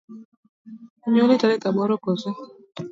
Onyuoli Tarik aboro koso?